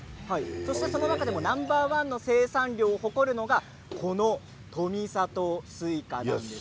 その中でもナンバー１の生産量を誇るのがこの富里のスイカです。